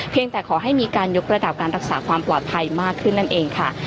แต่ขอให้มีการยกระดับการรักษาความปลอดภัยมากขึ้นนั่นเองค่ะ